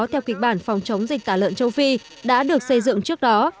theo kịch bản phòng chống dịch tả lợn châu phi đã được xây dựng trước đó